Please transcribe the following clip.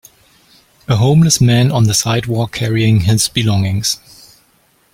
A homeless man on the sidewalk carrying his belongings.